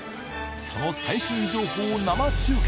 その最新情報を生中継。